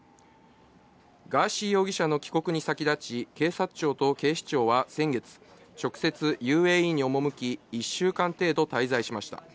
ガーシー容疑者の帰国に先立ち、警察庁と警視庁は先月、直接ＵＡＥに赴き、１週間程度、滞在しました。